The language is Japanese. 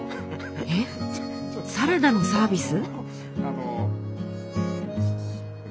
えっサラダのサービス？